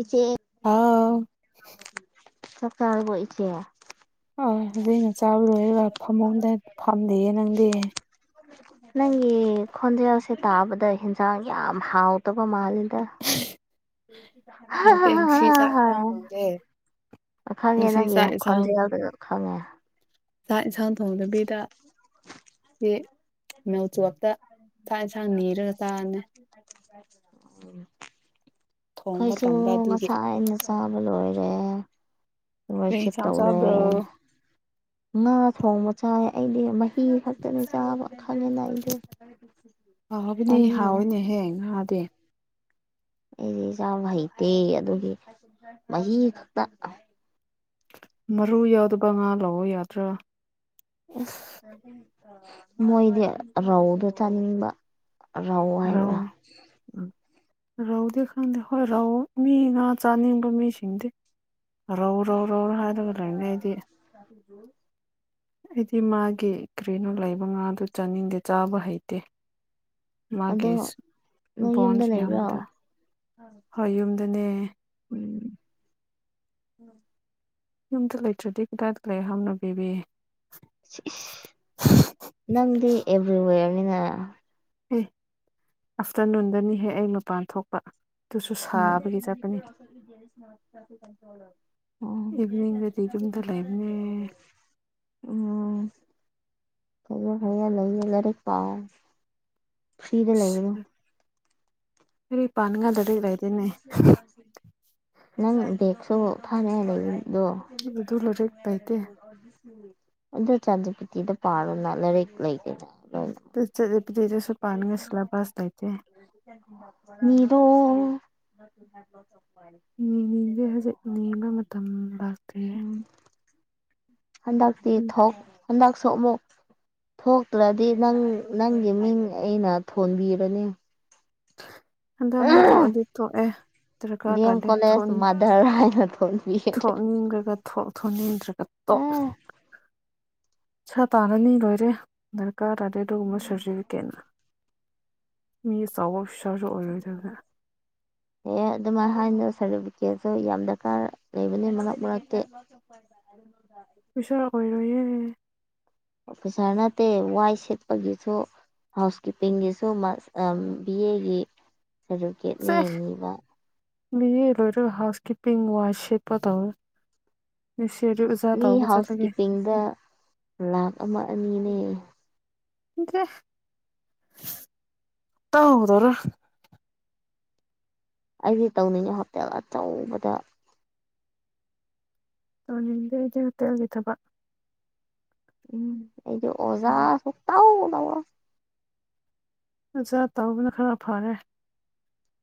ꯏꯆꯦ ꯑꯥ ꯆꯥꯛ ꯆꯥꯔꯕꫭ ꯏꯆꯦ ꯑ ꯍꯧꯖꯤꯛꯅ ꯆꯥꯕ ꯂꯣꯏꯔꯒ ꯐꯃꯨꯝꯗ ꯐꯝꯗꯤꯌꯦ ꯅꯪꯗꯤ [inaudible] ꯅꯪꯒꯤ ꯈꯣꯟꯖꯦꯜꯁꯦ ꯇꯥꯕꯗ ꯍꯦꯟꯁꯥꯡ ꯌꯥꯝ ꯍꯥꯎꯇꯕ ꯃꯥꯜꯂꯤꯗ ꯍꯥꯎꯇꯦ ꯉꯁꯤ ꯆꯥꯛ ꯏꯟꯁꯥꯡ ꯊꯣꯡꯗꯦ [unintelligible] ꯈꯪꯉꯦ ꯉꯁꯤ ꯅꯪꯒꯤ ꯆꯥꯛ ꯏꯟꯁꯥꯡ ꯈꯣꯟꯖꯦꯜꯗꯨꯗ ꯈꯪꯉꯦ ꯆꯥꯛ ꯌꯦꯟꯁꯥꯡ ꯊꯣꯡꯗꯕꯤꯗ ꯁꯤ ꯃꯦꯜꯆꫭꯠꯇ ꯆꯥꯛ ꯌꯦꯟꯁꯥꯡ ꯅꯤꯔꯒ ꯆꯥꯔꯅꯤ ꯊꯣꯡꯕ ꯈꫭꯏꯁꯨ ꯇꯟꯕ ꯑꯗꯨꯒꯤ ꯉꯁꯥꯏꯅ ꯆꯥꯕ ꯂꯣꯏꯔꯦ ꯀꯔꯤ ꯋꯥꯏꯁꯤꯠ ꯏꯟꯁꯥꯡ ꯇꯧꯔꯦ ꯆꯥꯕ꯭ꯔꯣ ꯉꯥ ꯊꯣꯡꯕ ꯆꯥꯏ ꯑꯩꯗꯤ ꯃꯍꯤ ꯈꯛꯇꯅꯤ ꯆꯥꯕ ꯈꯪꯉꯦꯅ ꯑꯩꯗꯤ ꯍꯥꯎꯕꯅꯤ ꯆꯥꯅꯤꯡꯗꯕ ꯍꯥꯎꯑꯦꯅꯦꯍꯦ ꯉꯥꯗꯤ ꯑꯩꯗꯤ ꯆꯥꯕ ꯍꯩꯇꯦ ꯑꯗꯨꯒꯤ ꯃꯍꯤ ꯈꯛꯇ ꯃꯔꯨ ꯌꯥꯎꯗꯕ ꯉꯥ ꯂꯧꯑꯣ ꯌꯥꯗ꯭ꯔꯥ ꯃꯣꯏꯗꯤ ꯑꯍꯥꯎꯕꯗꯣ ꯆꯥꯅꯤꯡꯕ ꯑꯔꯥꯎ ꯔꯧ ꯍꯥꯏꯕ꯭ꯔꯥ ꯎꯝ ꯔꯧꯗꯤ ꯈꯪꯗꯦ ꯍꯣꯏ ꯔꯧ ꯃꯤ ꯉꯥ ꯆꯥꯅꯤꯡꯕ ꯃꯤ ꯁꯤꯡꯗꯤ ꯔꯧ ꯔꯧ ꯔꯧ ꯍꯥꯏꯒ ꯂꯩꯅꯦ ꯑꯩꯗꯤ [inaudible] ꯑꯩꯗꯤ ꯃꯥꯒꯤ ꯀꯔꯤꯅꯣ ꯂꯩꯕ ꯉꯥꯗꯨ ꯆꯥꯅꯤꯡꯗꯦ ꯆꯥꯕ ꯍꯩꯇꯦ ꯑꯗꯣ ꯃꯥꯒꯤ ꯅꯪ ꯌꯨꯝꯗ ꯕꯣꯟꯁ ꯌꯥꯝꯕꯗꫭ ꯂꯩꯕ꯭ꯔꯣ ꯍꯣꯏ ꯌꯨꯝꯗꯅꯦ ꯎꯝ ꯌꯨꯝꯗ ꯂꯩꯇ꯭ꯔꯗꯤ ꯀꯗꯥꯏꯗ ꯂꯩꯌꯨ ꯍꯥꯏꯕꯅ‌ꯣ ꯕ‌ꯦꯕꯤ ꯅꯪꯗꯤ ꯑꯦꯚ꯭ꯔꯤꯋꯦꯔꯅꯤꯅ ꯑꯦ ꯑꯥꯐꯇꯔꯅꯨꯟꯗꯅꯤꯍꯦꯛ ꯑꯩ ꯃꯄꯥꯟ ꯊꯣꯛ ꯎꯝ ꯑꯣ ꯏꯚꯤꯅꯤꯡꯗꯗꯤ ꯌꯨꯝꯗ ꯂꯩꯕꯅꯦ ꯎꯝ ꯐꯩꯌ‌ꯦ ꯐꯩꯌ‌ꯦ ꯂꯥꯏꯔꯤ ꯂꯥꯏꯔꯤꯛ ꯄꯥꯎ ꯐꯔ꯭ꯤꯗ ꯂꯩꯒꯅꯨ ꯀ꯭ꯔꯤ ꯄꯥꯅꯉꯥꯗ ꯅꯪ ꯕꯦꯛꯁꯨ ꯊꯅꯥꯏ ꯂꯩꯗꯣ ꯑꯗꯨ ꯂꯥꯏꯔꯤꯛ ꯂꯩꯇꯦ [unintelligible] ꯑꯣ ꯆꯥꯟꯗ꯭ꯔꯄꯨꯇꯤꯗ ꯄꯥꯔꯣꯅ ꯂꯥꯏꯔꯤꯛ ꯂꯩꯗꯅ ꯑꯗꯨ ꯆꯥꯠ ꯒꯤ ꯄꯤ ꯇꯤꯗꯁꯨ ꯄꯅꯤꯉꯥꯏ ꯁꯤꯂ‌ꯦꯄꯥꯁ ꯂꯩꯇ‌ꯦ ꯃꯤꯗ‌ꯣ ꯅꯤꯅꯤꯡꯁꯦ ꯍꯧꯖꯤꯛ ꯅꯤꯕ ꯃꯇꯝ ꯂꯥꯛꯇ꯭ꯔ‌ꯦ ꯎꯝ ꯍꯟꯗꯛꯇꯤ ꯎꯝ ꯊꯣꯛ ꯍꯟꯗꯛꯁꯨ ꯑꯃꯨꯛ ꯊꯣꯛꯇ꯭ꯔꯗꯤ ꯅꯪ ꯅꯪꯒꯤ ꯃꯤꯡ ꯑꯩꯅ ꯊꯣꯟꯕꯤꯔꯅꯤ ꯍꯟꯗꯛ ꯑꯃꯨꯛ ꯊꯣꯛꯑꯗꯤ ꯊꯣꯛꯑꯦ ꯗꯔꯀꯥꯔ ꯗꯤ ꯑꯦꯝ ꯇꯥꯗꯦ ꯀꯣꯂꯦꯖ ꯊꯣꯛꯑꯅꯤ [unintelligible] ꯊꯣꯛꯅꯤꯡꯈ꯭ꯔꯒ ꯊꯣꯛ ꯊꯣꯛꯅꯤꯡꯗ꯭ꯔꯒ ꯇꯣꯛ ꯑꯦ ꯄꯩꯁꯥ ꯇꯥꯜꯂꯅꯤ ꯂꯣꯏꯔꯦ ꯗꯔꯀꯥꯔ ꯇꯥꯗꯦ ꯑꯗꯨꯒꯨꯝꯕ ꯁꯥꯔꯇꯤꯐꯤꯀꯦꯠꯅ ꯃꯤ ꯆꯥꯎꯕ ꯑꯣꯐꯤꯁꯥꯔꯁꯨ ꯑꯣꯏꯔꯣꯏꯗꯕꯅꯦ [inaudible] ꯑꯦ ꯑꯗꯨꯃꯥꯏꯅ ꯍꯥꯏꯅ ꯁꯥꯔꯇꯤꯐꯤꯀꯦꯠꯁꯨ ꯌꯥꯝ ꯗꯔꯀꯥꯔ ꯂꯩꯕꯅꯤ ꯃꯔꯛ ꯃꯔꯛꯇ [unintelligible] ꯑ‌ꯣꯐꯤꯁꯔ ꯑꯣꯏꯔꯣꯏꯌ‌ꯦ ꯑꯣꯐꯤꯁꯥꯔ ꯅꯠꯇꯦ ꯋꯥꯏ ꯁꯦꯠꯄꯒꯤꯁꯨ ꯍꯥꯎꯁ ꯀꯤꯞꯄꯤꯡꯒꯤꯁꯨ ꯕꯤ ꯑꯦꯒꯤ ꯁꯥꯔꯇꯤꯐꯤꯀꯦꯠꯅ ꯁꯦ ꯌꯦꯡꯅꯤꯕ ꯕꯤ ꯑꯥ ꯂꯣꯏꯔꯒ ꯍꯥꯎꯁ ꯀꯤꯞꯄꯤꯡ ꯋꯥꯏꯁꯤꯠꯄ ꯇꯧ ꯃꯤ ꯍꯥꯎꯁ ꯆꯠꯂꯒꯦ ꯀꯤꯞꯄꯤꯡꯗ ꯂꯥꯈ ꯑꯃ ꯑꯅꯤꯅꯦ ꯇꯥꯎꯗ‌ꯣꯔ‌ꯦ ꯑꯩꯗꯤ ꯇꯧꯅꯤꯡꯉꯤ ꯍꯣꯇꯦꯜ ꯑꯆꯧꯕꯗ ꯇꯧꯅꯤꯡꯗꯦ ꯑꯩꯗꯤ ꯍꯣꯇꯦꯜꯒꯤ ꯊꯕꯛ ꯎꯝ ꯑꯩꯗꯨ ꯑꯣꯖꯥ ꯁꯛꯇꯧ ꯇꯧꯔ‌ꯣꯏ ꯃꯆꯥ ꯇꯧꯕꯅ ꯈꯔ ꯐꯔꯦ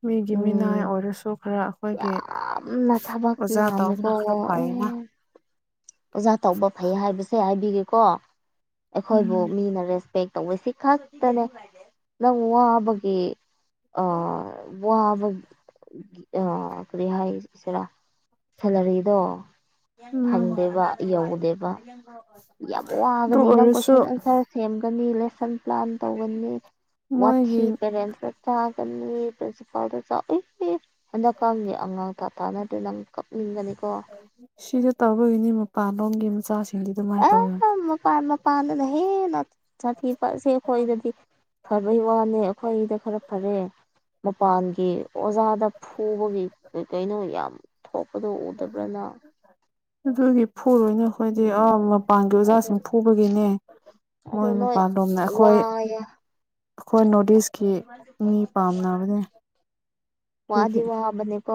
ꯃꯤꯒꯤ ꯃꯤꯅꯥꯏ ꯎꯝ ꯑꯣꯏꯔꯁꯨ ꯈꯔ ꯑꯩꯈꯣꯏꯒꯤ ꯌꯥꯝꯅ ꯊꯕꯛ ꯑꯣꯖꯥ ꯌꯥꯝꯃꯦꯀꯣ ꯇꯧꯕꯅ ꯈꯔ ꯑꯦ ꯐꯩꯌꯦꯅ ꯑꯣꯖꯥ ꯇꯧꯕ ꯐꯩ ꯍꯥꯏꯕꯁꯦ ꯍꯥꯏꯕꯤꯒꯦꯀꯣ ꯑꯩꯈꯣꯏꯕꯨ ꯎꯝ ꯃꯤꯅ ꯔꯦꯁ ꯄꯦꯛ ꯇꯧꯋꯦ ꯁꯤ ꯈꯛꯇꯅꯦ ꯅꯪ ꯋꯥꯕꯒꯤ ꯑ ꯋꯥꯕ ꯑ ꯀꯔꯤ ꯍꯥꯏꯁꯤꯔꯥ ꯁꯦꯂꯔꯤꯗꯣ ꯎꯝ ꯐꯪꯗꯦꯕ ꯌꯧꯗꯦꯕ ꯌꯥꯝ ꯑꯗꯨ ꯋꯥꯒꯅꯤ ꯅꯪ ꯑꯣꯏꯔꯁꯨ ꯀꯣꯏꯁꯟ ꯑꯟꯁꯔ ꯁꯦꯝꯒꯅꯤ ꯂꯦꯁꯟ ꯄ꯭ꯂꯥꯟ ꯇꯧꯒꯅꯤ ꯃꯣꯏꯒꯤ ꯋꯥꯊꯤ ꯄꯦꯔꯦꯟꯁꯅ ꯆꯥꯒꯅꯤ ꯐꯥꯎꯗ ꯆꯥꯎ ꯏ ꯍꯟꯗꯛꯀꯥꯟꯒꯤ ꯑꯉꯥꯡ ꯊꯊꯥ ꯅꯠꯇꯦ ꯅꯪ ꯀꯞꯅꯤꯡꯒꯅꯤꯀꯣ ꯁꯤꯗ ꯇꯧꯕꯒꯤꯅꯤ ꯃꯄꯥꯟꯂꯣꯝꯒꯤ ꯃꯆꯥꯁꯤꯡꯗꯤ ꯑꯗꯨꯃꯥꯏ ꯇꯧꯔꯣꯏ ꯃꯄꯥꯥꯟ ꯃꯄꯥꯟꯗꯅ ꯍꯦꯟꯅ ꯁꯥꯊꯤꯕ ꯑꯁꯦ ꯑꯈꯣꯏꯗꯗꯤ ꯐꯕꯩ ꯋꯥꯅꯦ ꯑꯈꯣꯏꯒꯤꯗ ꯈꯔ ꯐꯔꯦ ꯃꯄꯥꯟꯒꯤ ꯑꯣꯖꯥꯗ ꯐꯨꯕꯒꯤ ꯀꯩꯀꯩꯅꯣ ꯌꯥꯝ ꯊꯣꯛꯄꯗꯣ ꯎꯗꯕꯔꯥ ꯅꯪ ꯑꯗꯨꯗꯤ ꯐꯨꯔꯣꯏꯅ ꯈꯣꯏꯗꯤ ꯑ ꯎꯝ ꯃꯄꯥꯟꯒꯤ ꯑꯗꯨ ꯑꯣꯖꯥꯁꯤꯡ ꯐꯨꯕꯒꯤꯅꯦ ꯑꯗꯨ ꯃꯣꯏ ꯅꯣꯏ ꯃꯄꯥꯟ ꯂꯣꯝꯅ ꯑꯈꯣꯏ ꯋꯥꯌꯦ ꯑꯈꯣꯏ ꯅꯣꯗꯤꯁꯀꯤ ꯃꯤ ꯄꯥꯝꯅꯕꯅꯦ ꯋꯥꯗꯤ ꯑꯗꯨꯒꯤ ꯋꯥꯕꯅꯦꯀꯣ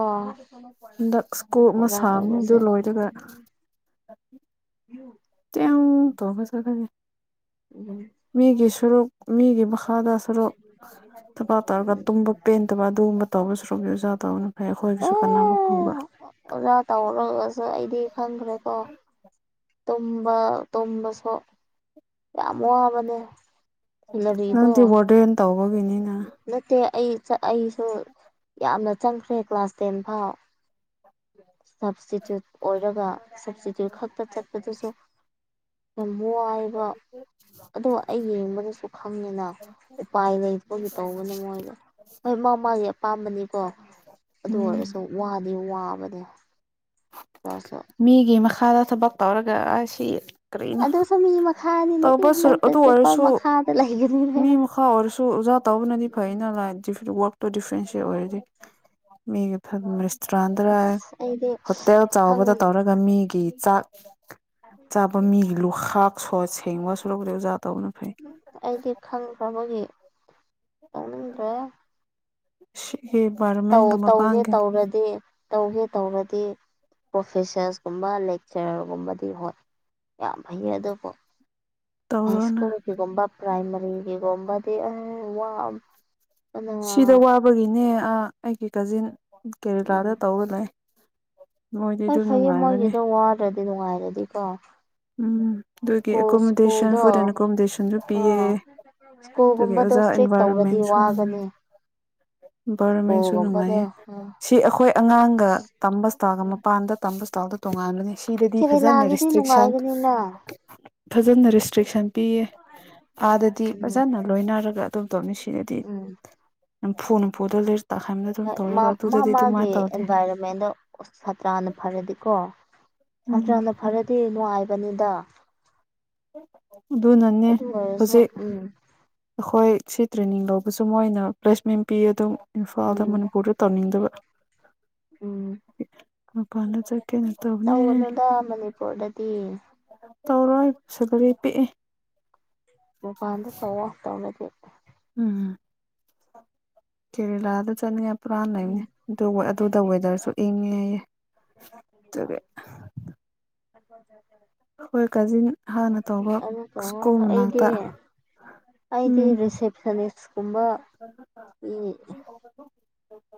ꯍꯟꯗꯛ ꯁ꯭ꯀꯨꯜ ꯑꯃ ꯑꯣꯖꯥ ꯁꯥꯝꯃꯦ ꯗꯨ ꯇꯧꯕꯁꯦ ꯂꯣꯏꯔꯒ ꯌꯨ ꯇꯌꯣꯡ ꯇꯧꯈꯔ ꯆꯈꯔꯒꯦ ꯎꯝ ꯃꯤꯒꯤ ꯁꯨꯔꯨꯛ ꯃꯤꯒꯤ ꯥꯃꯈꯥꯗ ꯊꯔꯣꯛ ꯊꯕꯥꯛ ꯇꯧꯔꯒ ꯇꯨꯝꯕ ꯄꯦꯟꯗꯕ ꯑꯗꯨꯒꯨꯝꯕ ꯇꯧꯕ ꯁꯔꯨꯛ ꯗꯤ ꯑꯣꯖꯥ ꯇꯧꯒꯅꯤ ꯐꯩ ꯑꯈꯣꯏꯒꯤꯁꯨ ꯀꯥꯅꯥꯕ ꯐꯪꯕ ꯑꯣ ꯑꯣꯖꯥ ꯇꯧꯔꯒꯁꯨ ꯑꯩꯗꯤ ꯈꯪꯈ꯭ꯔꯦꯀꯣ ꯇꯨꯝꯕ ꯇꯨꯝꯕꯁꯨ ꯌꯥꯝ ꯋꯥꯕꯅꯦ ꯁꯦꯂꯔꯤꯗꯣ ꯅꯪꯗꯤ ꯋꯥꯔꯗꯦꯟ ꯇꯧꯕꯒꯤꯅꯤꯅ ꯅꯠꯇꯦ ꯑꯩ ꯆ ꯑꯩꯁꯨ ꯌꯥꯝꯅ ꯆꯪꯈ꯭ꯔꯦ ꯀ꯭ꯂꯥꯁ ꯇꯦꯟ ꯐꯥꯎ ꯁꯞꯁꯇꯤꯇ꯭ꯌꯨꯠ ꯑꯣꯏꯔꯒ ꯁꯞꯁꯇꯤꯇ꯭ꯌꯨꯠ ꯈꯛꯇ ꯆꯠꯄꯗꯨꯁꯨ ꯌꯥꯝ ꯋꯥꯏꯕ ꯑꯗꯣ ꯑꯩ ꯌꯦꯡꯕꯗꯁꯨ ꯈꯪꯉꯦꯅ ꯎꯄꯥꯏ ꯂꯩ ꯄꯒꯤ ꯇꯧꯕꯅꯦ ꯃꯣꯏꯗꯣ ꯍꯣꯏ ꯃꯥ ꯃꯥꯒꯤ ꯑꯄꯥꯝꯕꯅꯤꯀꯣ ꯑꯗꯨ ꯎꯝ ꯑꯣꯏꯔꯁꯨ ꯋꯥꯗꯤ ꯋꯥꯕꯗꯣ [unintelligible] ꯃꯤꯒꯤ ꯃꯈꯥꯗ ꯊꯕꯛ ꯇꯧꯔꯒ ꯑꯁꯤ ꯀꯔꯤꯅꯣ ꯑꯗꯨꯁꯨ ꯃꯤ ꯃꯈꯥꯅꯤꯅꯦ ꯇꯧꯕ ꯑꯦ ꯁꯨꯔ ꯅꯪ ꯄ꯭ꯔꯤꯟꯁꯤꯄꯥꯜ ꯃꯈꯥꯗ ꯂꯩꯒꯅꯤꯅꯦꯅ ꯈ ꯑꯣꯏꯔꯁꯨ ꯑꯣꯖꯥ ꯇꯧꯕꯅꯗꯤ ꯐꯩꯅ ꯂꯥꯏꯠ [unintelligible] ꯋꯥꯛꯇꯣ ꯗꯤꯐ꯭ꯔꯦꯟꯁꯤꯌꯦ ꯑꯣꯏꯔꯗꯤ ꯃꯤꯒꯤ ꯐꯟ ꯔꯦꯁꯇꯨꯔꯥꯟꯗꯔꯥ ꯑꯩꯗꯤ ꯍꯣꯇꯦꯜ ꯈꯪ ꯆꯥꯎꯕꯗ ꯇꯧꯔꯒ ꯃꯤꯒꯤ ꯆꯥꯛ ꯆꯥꯕ ꯃꯤꯒꯤ ꯂꯨꯈꯥꯛ ꯁꯣꯠ ꯁꯦꯡꯕ ꯁꯨꯔꯨꯛ ꯗꯤ ꯑꯣꯖꯥ ꯇꯧꯕꯅ ꯐꯩ ꯑꯩꯗꯤ ꯈꯪꯈ꯭ꯔꯕꯒꯤ ꯇꯧꯅꯤꯡꯗ꯭ꯔꯦ ꯁꯤ ꯍꯦ ꯕꯔꯝ ꯇꯧ ꯇꯧꯒꯦ ꯇꯧꯔꯗꯤ ꯇꯧꯒꯦ ꯇꯧꯔꯗꯤ ꯄ꯭ꯔꯣꯐꯦꯁꯔꯁꯀꯨꯝꯕ ꯂꯦꯛ ꯁꯔꯒꯨꯝꯕꯗꯤ ꯍꯣꯏ ꯌꯥꯝ ꯐꯩꯌꯦ ꯑꯗꯨꯕꯨ ꯍꯥꯏ ꯇꯧꯔꯣꯅ ꯁ꯭ꯀꯨꯜ ꯒꯤꯒꯨꯝꯕ ꯄ꯭ꯔꯥꯏꯃꯔꯤ ꯒꯤꯒꯨꯝꯕꯗꯤ ꯑꯦ ꯋꯥꯕꯅ ꯁꯤꯗ ꯋꯥꯕꯒꯤꯅꯦ ꯑꯥ ꯑꯩꯒꯤ ꯀꯖꯤꯟ ꯀꯦꯔꯂꯥꯗ ꯇꯧꯒ ꯂꯩ ꯃꯣꯏꯗꯤ ꯑꯁ ꯑꯗꯨꯝ ꯐꯩꯌꯦ ꯅꯨꯡꯉꯥꯏꯕꯅꯦ ꯃꯣꯏꯒꯤꯗ ꯋꯥꯗ꯭ꯔꯗꯤ ꯅꯨꯡꯉꯥꯏꯔꯗꯤꯀꯣ ꯎꯝ ꯗꯨꯒꯤ ꯁ꯭ꯀꯨꯜ ꯑꯦꯀꯣꯃꯣꯗꯦꯁꯟ ꯁ꯭ꯀꯨꯜꯗꯣ ꯐꯨꯗ ꯑꯦꯟ ꯑꯦꯀꯣꯃꯣꯗꯦꯁꯟꯖꯨ ꯄꯤꯌꯦ ꯑꯥ ꯇꯨꯒꯤ ꯁ꯭ꯀꯨꯜꯒꯨꯝꯕꯗꯣ ꯑꯣꯖꯥ ꯏꯁꯇ꯭ꯔꯤꯛ ꯇꯧꯔꯗꯤ ꯏꯟꯚꯥꯏꯔꯣꯟꯃꯦꯟꯁꯨ ꯅꯨꯉꯥꯏ ꯋꯥꯒꯅꯤ ꯏꯝꯕꯥꯏꯔꯣꯃꯦꯟꯁꯨ ꯁ꯭ꯀꯨꯜꯒꯨꯝꯕꯗꯣ ꯅꯨꯉꯥꯏꯌꯦ ꯑꯥ ꯁꯤ ꯑꯈꯣꯏ ꯑꯉꯥꯡꯒ ꯇꯝꯕ ꯏꯁ꯭ꯇꯥꯜꯒ ꯎꯝ ꯃꯄꯥꯟꯗ ꯇꯝꯕ ꯏꯁ꯭ꯇꯥꯜꯗ ꯇꯣꯉꯥꯟꯕꯅꯤ ꯁꯤꯗꯗꯤ ꯐꯖꯅ ꯔꯦꯁꯇ꯭ꯔꯤꯛꯁꯟ ꯃꯤꯅ ꯐꯖꯅ ꯔꯦꯁꯇ꯭ꯔꯤꯛꯁꯟ ꯄꯤꯌꯦ ꯑꯥꯗꯗꯤ ꯎꯝ ꯐꯖꯅ ꯂꯣꯏꯅꯔꯒ ꯑꯗꯨꯝꯗꯣꯅꯤ ꯁꯤꯗꯗꯤ ꯎꯝ ꯐꯨꯅ ꯐꯨꯗ ꯂꯩꯔ ꯇꯥꯛꯈꯕꯗ ꯑꯗꯨꯝ ꯇꯧꯔꯤꯕ ꯑꯗꯨꯗꯗꯤ ꯑꯗꯨꯃꯥꯏꯅ ꯇꯧꯗꯦ ꯁꯥꯇ꯭ꯔꯅ ꯐꯔꯗꯤꯀꯣ ꯎꯝ ꯁꯥꯇ꯭ꯔꯅ ꯐꯔꯗꯤ ꯅꯨꯡꯉꯥꯏꯕꯅꯤꯗ ꯑꯗꯨꯅꯅꯦ ꯑꯗꯨ ꯑꯣꯏꯔꯁꯨ ꯍꯧꯖꯤꯛ ꯎꯝ ꯑꯩꯈꯣꯏ ꯁꯤ ꯇ꯭ꯔꯦꯅꯤꯡ ꯂꯧꯕꯁꯨ ꯃꯣꯏꯅ ꯄ꯭ꯂꯦꯁꯃꯦꯟ ꯄꯤ ꯑꯗꯨꯝ ꯏꯝꯐꯥꯜꯗ ꯎꯝ ꯃꯅꯤꯄꯨꯔꯗ ꯇꯧꯅꯤꯡꯗꯕ ꯎꯝ ꯃꯄꯥꯟꯗ ꯆꯠꯀꯦ ꯇꯧꯒꯅꯨꯗ ꯃꯅꯤꯄꯨꯔꯗꯗꯤ ꯇꯧꯔꯣꯏ ꯁꯤꯂꯔꯤ ꯄꯤꯛꯑꯦ ꯃꯄꯥꯟꯗ ꯇꯧꯋ‌ꯣ ꯇꯧꯔꯗꯤ ꯎꯝ ꯀꯔ‌ꯦꯂꯥꯗ ꯆꯠꯅꯤꯡꯉꯥ ꯄꯨꯔꯥ ꯎꯝ ꯂꯩꯕꯅꯦ ꯑꯗꯨꯗ ꯋꯦꯗꯔꯁꯨ ꯏꯪꯉꯦ ꯍꯥꯏꯌꯦ ꯑꯗꯨ ꯑꯩꯈꯣꯏ ꯀꯥꯖꯤꯟ ꯍꯥꯟꯅ ꯇꯧꯕ [unintelligible] ꯑꯩꯅ ꯇꯧꯔ‌ꯣ ꯁ꯭ꯀꯨꯜ ꯑꯩꯗꯤ ꯃꯅꯥꯛꯇ ꯑꯩꯗꯤ ꯎꯝ ꯔꯤꯁꯦꯞꯁꯅꯤꯁ ꯀꯨꯝꯕ [unintelligible]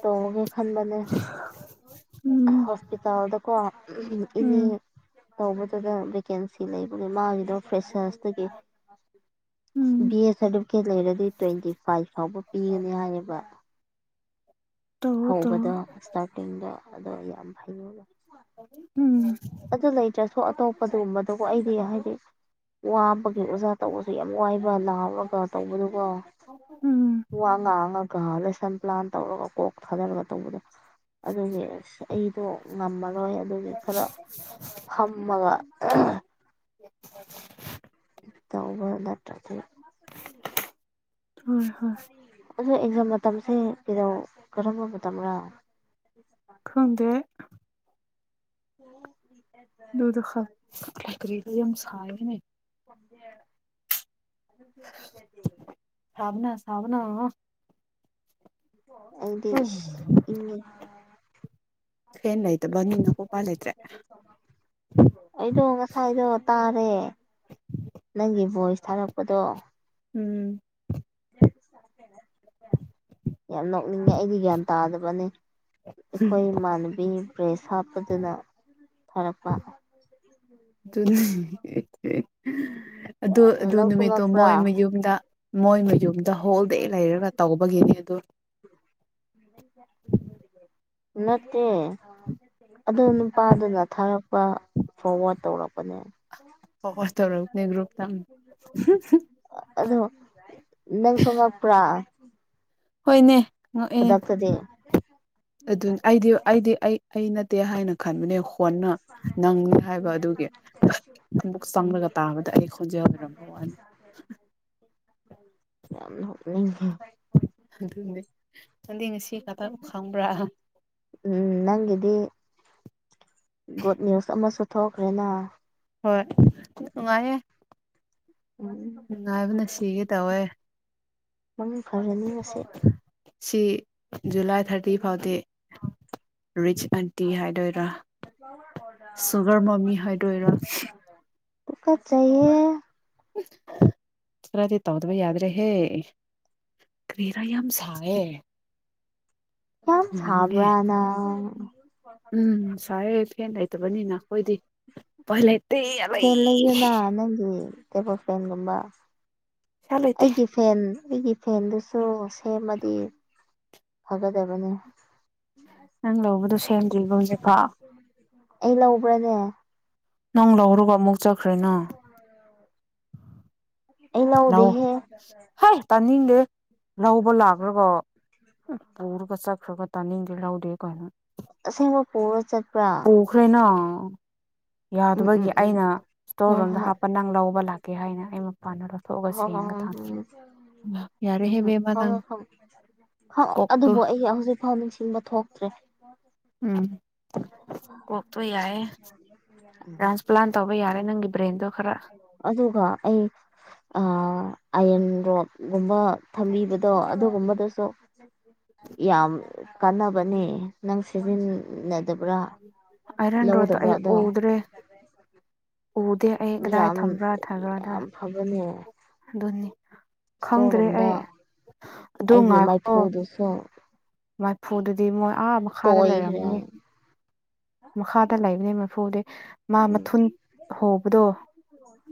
ꯇꯧꯔꯒ‌ꯦ ꯈꯟꯕꯅꯦ ꯎꯝ ꯍꯁꯄꯤꯇꯥꯜꯗ ꯀꯣ ꯏꯅꯦ ꯎꯝ ꯇꯧꯕꯗꯨꯗ ꯚꯦꯀꯦꯟꯁꯤ ꯂꯩꯕꯒꯤ ꯃꯥꯒꯤꯗꯣ ꯐ꯭ꯔꯦꯁꯔꯁ ꯇꯒꯤ ꯎꯝ ꯕꯤ ꯑꯦꯁ ꯁꯥꯔꯇꯤꯐꯤꯀꯦꯠ ꯂꯩꯔꯗꯤ ꯇ꯭ꯋꯦꯟꯇꯤ ꯐꯥꯏꯚ ꯐꯥꯎꯕ ꯄꯤꯒꯅꯤ ꯍꯥꯏꯌꯦꯕ ꯇꯧꯋꯣ ꯇꯧꯋꯣ ꯍꯧꯕꯗꯣ ꯏꯁꯇꯥꯔꯇꯤꯡꯗꯣ ꯑꯗꯣ ꯌꯥꯝ ꯍꯩꯩꯅꯕ ꯎꯝ ꯑꯗꯨ ꯂꯩꯇ꯭ꯔꯁꯨ ꯑꯇꯣꯞꯄꯗꯨꯒꯨꯝꯕꯗꯨꯕꯨ ꯑꯩꯗꯤ ꯍꯥꯏꯗꯤ ꯋꯥꯕꯒꯤ ꯑꯣꯖꯥ ꯇꯧꯕꯁꯨ ꯑꯗꯨ ꯌꯥꯝ ꯋꯥꯏꯕ ꯂꯥꯑ ꯑꯃꯒ ꯇꯧꯕꯗꯨꯒ ꯎꯝ ꯋꯥ ꯉꯥꯡꯉꯒ ꯂꯦꯁꯟ ꯄ꯭ꯂꯥꯟ ꯇꯧꯔꯒ ꯀꯣꯛ ꯊꯥꯗꯔꯒ ꯇꯧꯕꯗꯣ ꯑꯗꯨꯒꯤ ꯑꯁ ꯑꯩꯗꯣ ꯉꯝꯃꯔꯣꯏ ꯑꯗꯨꯒꯤ ꯈꯔ ꯐꯝꯃꯒ [unintelligible] ꯇꯕ ꯅꯠꯇ꯭ꯔꯥꯗꯤ ꯍꯣꯏ ꯍꯣꯏ ꯑꯗꯣ ꯑꯦꯛꯖꯥꯝ ꯃꯇꯝꯁꯦ ꯀꯩꯗꯧ ꯀꯔꯝꯕ ꯃꯇꯝꯔꯥ ꯈꯪꯗꯦ [inaudible] ꯑꯗꯨꯗꯨꯈꯛ ꯀꯔꯤꯗꯨ ꯌꯥꯝ ꯁꯥꯥꯏꯕꯅꯦ [unintelligible] ꯁꯥꯕꯅꯥ ꯁꯥꯕꯅꯥ ꯑꯩꯗꯤ ꯏꯪꯉ‌ꯦ ꯐꯦꯟ ꯂꯩꯇꯕꯅꯤꯅꯀꯣ ꯎꯄꯥꯏ ꯂꯩꯇ꯭ꯔꯦ [unintelligible] ꯑꯩꯗꯣ ꯉꯁꯥꯏꯗꯣ ꯇꯥꯔꯦ ꯅꯪꯒꯤ ꯚꯣꯏꯁ ꯊꯥꯔꯛꯄꯗꯣ ꯎꯝ ꯌꯥꯝ ꯅꯣꯛꯅꯤꯡꯉꯦ ꯑꯩꯗꯤ ꯒ꯭ꯌꯥꯟ ꯇꯥꯗꯕꯅꯦ ꯑꯩꯈꯣꯏ ꯏꯃꯥꯟꯅꯕꯤ ꯕ꯭ꯔꯦꯁ ꯍꯥꯞꯄꯗꯨꯅ ꯊꯥꯔꯛꯄ [unintelligible] ꯑꯗꯨ ꯑꯗꯨ ꯅꯪꯁꯨ ꯅꯨꯃꯤꯠꯇꯣ ꯉꯛꯄ꯭ꯔꯥ ꯃꯣꯏ ꯃꯌꯨꯝꯗ ꯃꯣꯏ ꯃꯌꯨꯝꯗ ꯍꯣꯜꯗꯦ ꯂꯩꯔꯒ ꯇꯧꯕꯒꯤꯅꯤ ꯑꯗꯨ ꯅꯠꯇꯦ ꯑꯗꯨ ꯅꯨꯄꯥꯗꯨꯅ ꯊꯥꯔꯛꯄ ꯐꯣꯔꯋꯥꯔꯗ ꯇꯧꯔꯛꯄꯅꯦ ꯐꯣꯔꯋꯥꯔꯗ ꯇꯧꯔꯛꯄꯅꯦ ꯒ꯭ꯔꯨꯞꯇ ꯎꯝ ꯑꯗꯣ ꯅꯪꯁꯨ ꯉꯛꯄ꯭ꯔꯥ ꯍꯣꯏꯅꯦ ꯉꯛꯑꯦ ꯈꯨꯗꯛꯇꯗꯤ ꯑꯗꯨ ꯑꯩꯗꯤ ꯑꯩꯗꯤ ꯑꯩ ꯑꯩ ꯅꯠꯇꯦ ꯍꯥꯏꯅ ꯈꯟꯕꯅꯦ ꯀꯣꯟꯅ ꯅꯪꯅꯤ ꯍꯥꯏꯕ ꯑꯗꯨꯒꯤ ꯑꯃꯛ ꯆꯪꯂꯒ ꯇꯥꯕꯗ ꯑꯩ ꯈꯣꯟꯖꯦꯜ ꯑꯣꯔꯝꯕꯩ ꯋꯥꯅꯤ [inaudible] ꯌꯥꯝ ꯅꯣꯛꯅꯤꯡꯉꯦ ꯑꯗꯨꯅꯦ ꯅꯪꯗꯤ ꯉꯁꯤ ꯈꯛꯇꯪ ꯈꯪꯕ꯭ꯔꯥ ꯎꯝ ꯅꯪꯒꯤꯗꯤ ꯒꯨꯗ ꯅ꯭ꯌꯨꯁ ꯑꯃꯁꯨ ꯊꯣꯛꯈ꯭ꯔꯦꯅ ꯍꯣꯏ ꯅꯨꯡꯉꯥꯏꯌꯦ ꯎꯝ ꯅꯨꯡꯉꯥꯏꯕꯅ ꯁꯤꯒꯦ ꯇꯧꯋꯦ ꯃꯪ ꯐꯔꯅꯤ ꯉꯁꯤ ꯁꯤ ꯖꯨꯂꯥꯏ ꯊꯥꯔꯇꯤ ꯐꯥꯎꯗꯤ ꯔꯤꯆ ꯑꯟꯇꯤ ꯍꯥꯏꯗꯣꯏꯔ ꯁꯨꯒꯔ ꯃꯃꯤ ꯍꯥꯏꯗꯣꯏꯔꯥ ꯇꯨꯀꯠꯆꯩꯌꯦ ꯈ꯭ꯔꯥꯗꯤ ꯇꯧꯗꯕ ꯌꯥꯗ꯭ꯔꯦꯍꯦ ꯀꯔꯤꯔ ꯌꯥꯝ ꯁꯥꯌꯦ ꯌꯥꯝ ꯁꯥꯕ꯭ꯔꯥ ꯅꯪ ꯎꯝ ꯁꯥꯌꯦ ꯐꯦꯟ ꯂꯩꯇꯕꯅꯤꯅ ꯑꯈꯣꯏꯗꯤ ꯎꯄꯥꯏ ꯂꯩ ꯐꯦꯟ ꯂꯩꯌꯨꯅ ꯄꯩꯁꯥ ꯅꯪꯒꯤ ꯇꯦꯕꯜ ꯐꯦꯟꯒꯨꯝꯕ ꯂꯩꯇꯦ ꯑꯩꯒꯤ ꯐꯦꯟ ꯑꯩꯒꯤ ꯐꯦꯟꯗꯨꯁꯨ ꯁꯦꯝꯃꯗꯤ ꯐꯒꯗꯕꯅꯦ ꯅꯪ ꯂꯧꯕꯗꯣ ꯁꯦꯝꯗ꯭ꯔꯤꯕꯣ ꯍꯧꯖꯤꯛ ꯐꯥꯎ ꯑꯩ ꯂꯧꯕ꯭ꯔꯥꯅꯦ ꯅꯪ ꯂꯧꯔꯒ ꯑꯃꯨꯛ [inaudible] ꯑꯩ ꯂꯥꯎ ꯂꯧꯗꯦꯍꯦ ꯍꯦ ꯇꯥꯅꯤꯡꯗꯦ ꯂꯧꯕ ꯂꯥꯛꯔꯒ ꯄꯨꯔꯒ ꯆꯠꯈ꯭ꯔꯒ ꯇꯥꯅꯤꯡꯗꯦ ꯂꯧꯗꯦ ꯀꯥꯏꯅ ꯑꯁꯦꯡꯕ ꯄꯨꯔ ꯆꯠꯄ꯭ꯔꯥ ꯄꯨꯈ꯭ꯔꯦꯅ ꯎꯝ ꯎꯝ ꯌꯥꯗꯕꯒꯤ ꯎꯝ ꯑꯩꯅ ꯏꯁꯇꯣꯔ ꯍꯣꯏ ꯔꯨꯝꯗ ꯍꯣꯏ ꯍꯥꯞꯄ ꯅꯪ ꯂꯧꯕ ꯂꯥꯛ ꯀꯦ ꯍꯥꯏꯅ ꯑꯩ ꯃꯄꯥꯟꯗ ꯂꯧꯊꯣꯛꯑꯒ ꯍꯣ ꯍꯣ ꯁꯦꯡꯒ ꯊꯝ ꯎꯝ ꯌꯥꯔꯦꯍꯦ ꯎꯝ ꯕꯦꯝꯃ ꯎꯝ ꯅꯪ ꯍꯣꯏ ꯍꯣꯏ ꯀꯣꯛꯇꯣ ꯑꯗꯨꯕꯨ ꯑꯩ ꯍꯧꯖꯤꯛꯐꯥꯎ ꯅꯤꯡꯁꯤꯡꯕ ꯊꯣꯛ ꯇ꯭ꯔꯦ ꯎꯝ ꯀꯣꯛꯇꯣ ꯌꯥꯏꯌꯦ ꯇ꯭ꯔꯥꯟꯁꯄ꯭ꯂꯥꯟ ꯇꯧꯕ ꯌꯥꯔꯦ ꯅꯪꯒꯤ ꯕ꯭ꯔꯦꯟꯗꯣ ꯈꯔ ꯑꯗꯨꯒ ꯑꯩ ꯑꯥꯏꯔꯟ ꯔꯣꯠꯒꯨꯝꯕ ꯊꯝꯕꯤꯕꯗꯣ ꯑꯗꯨꯒꯨꯝꯕꯗꯁꯨ ꯌꯥꯝ ꯀꯥꯟꯅꯕꯅꯦ ꯅꯪ ꯁꯤꯖꯤꯟꯅꯗꯕ꯭ꯔꯥ ꯑꯥꯏꯔꯟ ꯔꯣꯠꯇꯣ ꯂꯧꯗꯕ꯭ꯔꯥ ꯑꯩ ꯑꯗꯣ ꯎꯗ꯭ꯔꯦ ꯎꯗꯦ ꯑꯩ ꯀꯗꯥꯏ ꯌꯥꯝ ꯊꯝꯕ꯭ꯔꯥ ꯊꯝꯕ꯭ꯔꯥꯅ ꯌꯥꯝ ꯐꯥꯕꯅꯦ ꯑꯗꯨꯅꯤ ꯈꯪꯗ꯭ꯔꯦ ꯑꯩ ꯑꯗꯨ ꯑꯩꯒꯤ ꯉꯥꯏꯈꯣ ꯃꯩꯐꯨꯗꯨꯁꯨ ꯃꯩꯐꯨꯗꯨꯗꯤ ꯃꯣꯏ ꯑꯥ ꯃꯈꯥꯗ ꯇꯣꯏꯈ꯭ꯔꯦ ꯂꯩꯔꯝꯃꯅꯤ ꯃꯈꯥꯗ ꯂꯩꯕꯅꯦ ꯃꯩꯐꯨꯗꯤ ꯃꯥ ꯎꯝ ꯃꯊꯨꯟ ꯍꯣꯕꯗꯣ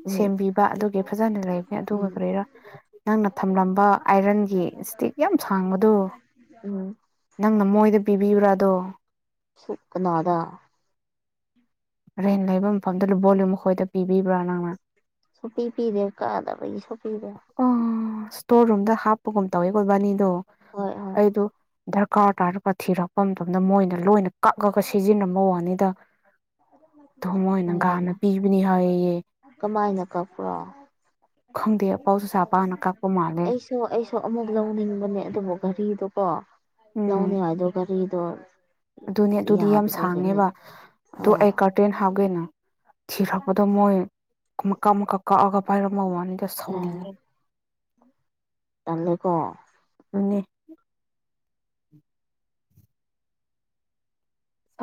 ꯎꯝ ꯁꯦꯝꯕꯤꯕ ꯑꯗꯨꯒꯤ ꯐꯖꯅ ꯂꯩꯕꯅꯦ ꯑꯗꯨꯒ ꯎꯝ ꯀꯔꯤꯔꯥ ꯅꯪꯅ ꯊꯝꯂꯝꯕ ꯑꯥꯏꯔꯟꯒꯤ ꯏꯁꯇꯤꯛ ꯌꯥꯝ ꯁꯥꯡꯕꯗꯨ ꯎꯝ ꯅꯪꯅ ꯃꯣꯏꯗ ꯄꯤꯕꯤꯕ꯭ꯔꯥ ꯑꯗꯣ ꯁꯨ ꯀꯅꯥꯗ ꯔꯦꯟ ꯂꯩꯕ ꯃꯐꯝꯗꯨꯗ ꯕꯣꯜ ꯗꯨ ꯃꯈꯣꯏꯗ ꯄꯤꯕꯤꯕ꯭ꯔꯥ ꯅꯪꯅ ꯁꯨꯛꯄꯤ ꯄꯤꯗꯦ ꯀꯥꯗꯕꯒꯤꯁꯨ ꯄꯤꯗꯦ ꯑ ꯏꯁꯇꯣꯔ ꯔꯨꯝꯗ ꯍꯥꯞꯄꯒꯨꯝ ꯇꯧꯋꯦꯀꯣ ꯏꯕꯥꯅꯤꯗꯣ ꯍꯣꯏ ꯍꯣꯏ ꯑꯩꯗꯣ ꯗꯔꯀꯥꯔ ꯇꯥꯔꯒ ꯊꯤꯔꯛꯄ ꯃꯇꯝꯗ ꯃꯣꯏꯅ ꯂꯣꯏꯅ ꯀꯛꯑꯒ ꯁꯤꯖꯤꯟꯅꯕ ꯋꯥꯅꯤꯗ ꯑꯗꯨ ꯃꯣꯏꯅ ꯎꯝ ꯒꯥꯟꯅ ꯄꯤꯕꯅꯤ ꯍꯥꯏꯌꯦꯌꯦ ꯀꯃꯥꯏꯅ ꯀꯛꯄ꯭ꯔꯣ ꯈꯪꯗꯦ ꯄꯥꯎꯁꯦ ꯑꯩꯁꯨ ꯑꯩꯁꯨ ꯑꯃꯨꯛ ꯂꯧꯅꯤꯡꯕꯅꯦ ꯑꯗꯨꯕꯨ ꯘꯔꯤꯗꯨꯀꯣ ꯎꯝ ꯂꯧꯅꯤꯉꯥꯏꯗꯣ ꯒꯥꯔꯤꯗꯣ ꯑꯗꯨꯅꯦ ꯑꯗꯨꯗꯤ ꯌꯥꯝ ꯁꯥꯡꯉꯦꯕ ꯑꯗꯨ ꯑꯥ ꯑꯩ ꯀꯥꯔꯇꯦꯟ ꯍꯥꯞꯒꯦꯅ ꯊꯤꯔꯛꯄꯗꯣ ꯃꯣꯏ ꯃꯀꯛ ꯃꯀꯛ ꯀꯛꯑꯒ ꯄꯥꯏꯔꯝꯕ ꯋꯥꯅꯤꯗ ꯑꯦ ꯁꯥꯎꯅꯤꯡꯉꯦ ꯇꯜꯂꯦꯀꯣ ꯑꯅꯤ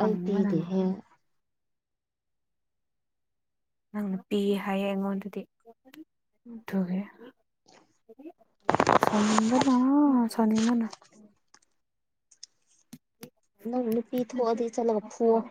ꯑꯩ ꯅꯪ ꯄꯤꯗꯦꯍꯦ ꯅꯪꯅ ꯄꯤ ꯍꯥꯏꯌꯦ ꯑꯩꯉꯣꯟꯗꯗꯤ [inaudible] ꯂꯣꯏꯔꯦ ꯁꯥꯎꯅꯤꯡꯕꯅ ꯁꯥꯎꯅꯤꯡꯕꯅ ꯅꯪ ꯅꯨꯄꯤ ꯊꯣꯛꯑꯗꯤ ꯆꯠꯂꯒ ꯐꯨꯋꫭ